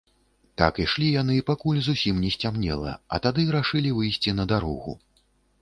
Так ішлі яны, пакуль зусім не сцямнела, а тады рашылі выйсці на дарогу.